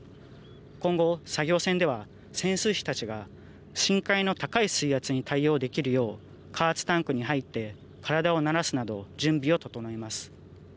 今後、作業船では潜水士たちが深海の高い水圧に対応できるよう加圧タンクに入って体を慣らすなど準備を整えます。